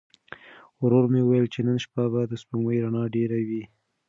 ورور مې وویل چې نن شپه به د سپوږمۍ رڼا ډېره وي.